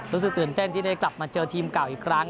รู้สึกตื่นเต้นที่ได้กลับมาเจอทีมเก่าอีกครั้ง